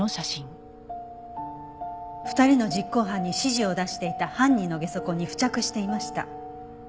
２人の実行犯に指示を出していた犯人のゲソ痕に付着していました。